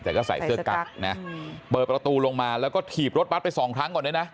แต่ก็ใส่เสื้อกั๊กนะเปิดประตูลงมาแล้วก็ถีบรถบัตรไปสองครั้งก่อนด้วยนะ